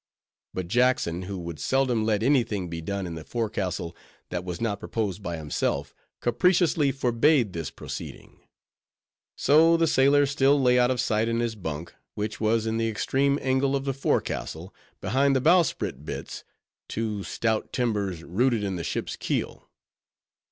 But Jackson, who would seldom let any thing be done in the forecastle that was not proposed by himself, capriciously forbade this proceeding. So the sailor still lay out of sight in his bunk, which was in the extreme angle of the forecastle, behind the bowsprit bitts—two stout timbers rooted in the ship's keel.